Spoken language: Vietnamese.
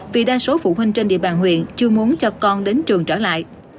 vì đa số phụ huynh trên địa bàn huyện chưa muốn cho con đến trường trở lại